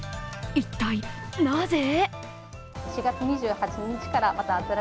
一体なぜ？